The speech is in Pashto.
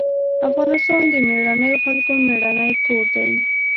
افغانستان د مېړنيو خلکو مېړنی کور دی.